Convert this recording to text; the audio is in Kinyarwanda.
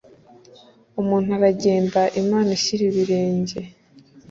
umuntu aragenda, imana ishyira ibirenge